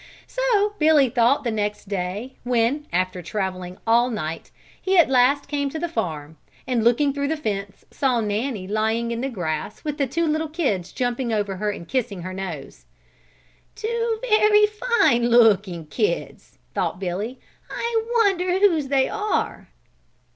So Billy thought the next day, when, after traveling all night, he at last came to the farm and looking through the fence saw Nanny lying in the grass with the two little kids jumping over her and kissing her nose. "Two very fine looking kids," thought Billy. "I wonder whose they are."